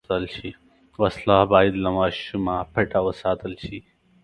وسله باید له ماشومه پټه وساتل شي